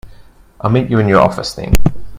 I'll meet you in your office then.